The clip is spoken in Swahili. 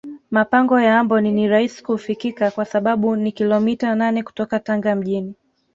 mapango ya amboni ni rahisi kufikika kwa sababu ni kilomita nane kutoka tanga mjini